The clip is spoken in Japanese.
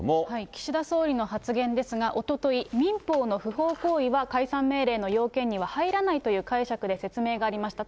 岸田総理の発言ですが、おととい、民法の不法行為は解散権に入らないという解釈で説明がありました。